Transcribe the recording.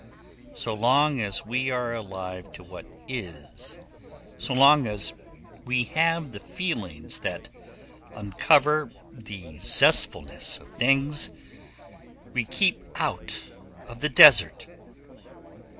So long as we are alive to what is, so long as we have the feelings that uncover the zestfulness of things, we keep out of the desert.